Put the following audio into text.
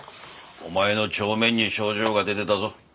お前の帳面に症状が出てたぞ。